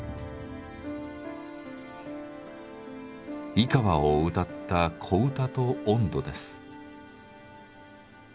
井川を歌った小唄と音頭です。